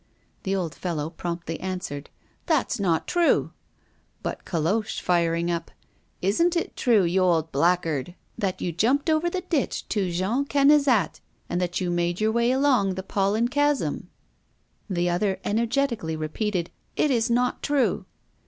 The old fellow promptly answered: "That's not true." But Colosse, firing up: "Isn't it true, you old blackguard, that you jumped over the ditch to Jean Cannezat and that you made your way along the Paulin chasm?" The other energetically repeated: "It is not true!"